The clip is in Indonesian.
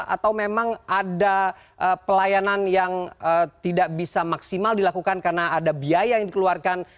atau memang ada pelayanan yang tidak bisa maksimal dilakukan karena ada biaya yang dikeluarkan